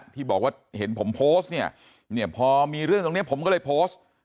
ที่บอกว่าเห็นผมโพสต์เนี่ยพอมีเรื่องตรงนี้ผมก็เลยโพสต์